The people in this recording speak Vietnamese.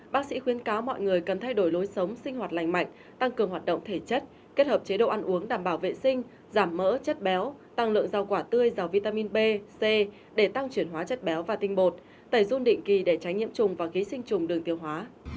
bác sĩ khuyên cáo mọi người cần thay đổi lối sống sinh hoạt lành mạnh tăng cường hoạt động thể chất kết hợp chế độ ăn uống đảm bảo vệ sinh giảm mỡ chất béo tăng lượng rau quả tươi do vitamin b c để tăng chuyển hóa chất béo và tinh bột tẩy dung định kỳ để tránh nhiễm trùng và ký sinh trùng đường tiêu hóa